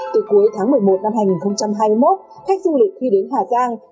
từ cuối tháng một mươi một năm hai nghìn hai mươi một khách du lịch khi đến hà giang